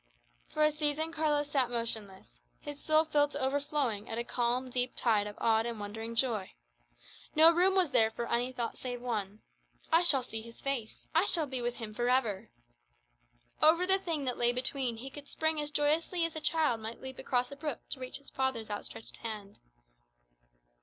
For a season Carlos sat motionless, his soul filled to overflowing with a calm, deep tide of awed and wondering joy. No room was there for any thought save one "I shall see His face; I shall be with Him for ever." Over the Thing that lay between he could spring as joyously as a child might leap across a brook to reach his father's outstretched hand.